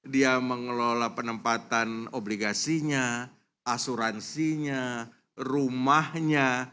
dia mengelola penempatan obligasinya asuransinya rumahnya